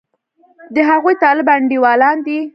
د هغوی طالب انډېوالان دي.